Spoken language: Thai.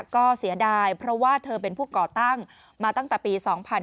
ก็เสียดายเพราะว่าเธอเป็นผู้ก่อตั้งมาตั้งแต่ปี๒๕๕๙